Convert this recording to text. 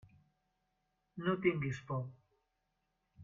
No tinguis por.